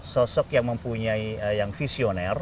sosok yang mempunyai yang visioner